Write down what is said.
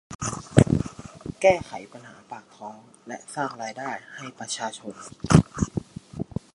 แก้ไขปัญหาปากท้องและสร้างรายได้ให้ประชาชน